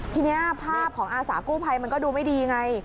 ทีนี้ภาพของอาสากู้ภัยมันก็ดูไม่ดีไง